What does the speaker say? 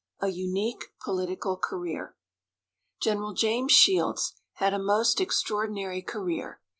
A UNIQUE POLITICAL CAREER. Gen. James Shields had a most extraordinary career.